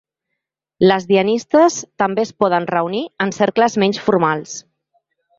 Les dianistes també es poden reunir en cercles menys formals.